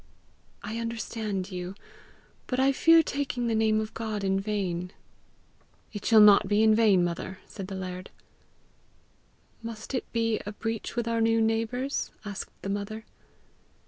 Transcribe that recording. "I understand you; but I fear taking the name of God in vain." "It shall not be in vain, mother!" said the laird. "Must it be a breach with our new neighbours?" asked the mother.